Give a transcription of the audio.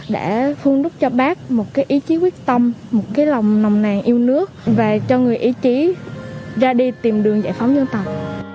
để phun đúc cho bác một cái ý chí quyết tâm một cái lòng nồng nàng yêu nước và cho người ý chí ra đi tìm đường giải phóng dân tộc